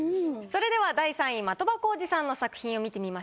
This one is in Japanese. それでは第３位的場浩司さんの作品を見てみましょう。